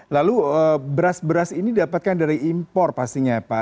lalu beras beras ini dapatkan dari impor pastinya pak